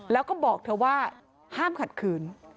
แล้วก็บอกเธอว่าห้ามขัดขืน